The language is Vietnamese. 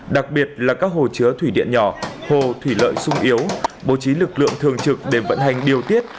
đặc biệt là các hồ chứa thủy điện nhỏ hồ thủy lợi sung yếu bố trí lực lượng thường trực để vận hành điều tiết